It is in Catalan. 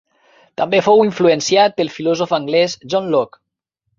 També fou influenciat pel filòsof anglès John Locke.